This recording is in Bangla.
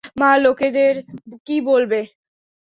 মা লোকেদের কী বলবে?